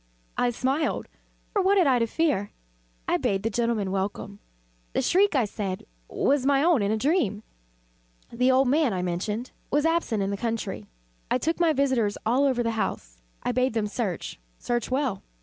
I smiled, for what had I to fear? I bade the gentlemen welcome. The shriek, I said, was my own in a dream. The old man, I mentioned, was absent in the country. I took my visitors all over the house. I bade them search search well.